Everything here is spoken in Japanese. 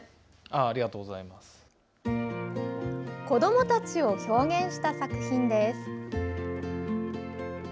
子どもたちを表現した作品です。